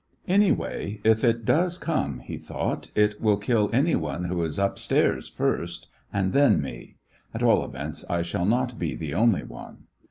"Anyway, if it does come," he thought, "it will kill any one who is upstairs first, and then me ; at all events, I shall not be the only one."